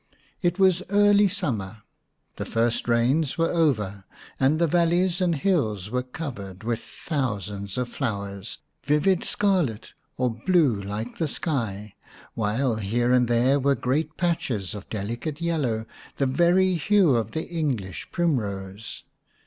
It was early summer ; the first rains were over and the valleys and hills were covered with thousands of flowers, vivid scarlet or blue like the sky, while here and there were great patches of delicate yellow, the very hue of the English primrose.